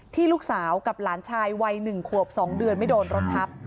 ลูกสาวกับหลานชายวัย๑ขวบ๒เดือนไม่โดนรถทับ